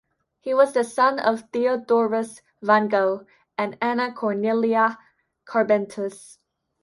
He was the son of Theodorus van Gogh and Anna Cornelia Carbentus.